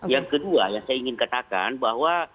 yang kedua yang saya ingin katakan bahwa